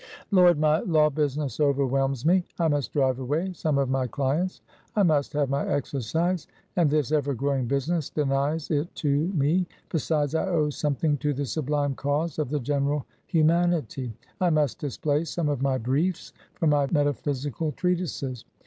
"Lord! my law business overwhelms me! I must drive away some of my clients; I must have my exercise, and this ever growing business denies it to me. Besides, I owe something to the sublime cause of the general humanity; I must displace some of my briefs for my metaphysical treatises.